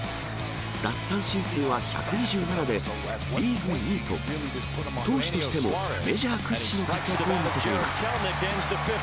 奪三振数は１２７で、リーグ２位と、投手としてもメジャー屈指の活躍を見せています。